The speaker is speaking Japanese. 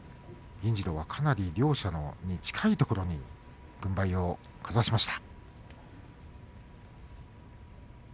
銀治郎はかなり両者に近いところに軍配をかざしました。